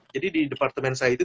jadi di departemen saya itu